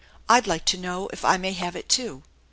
I'd like to know if I may have it too."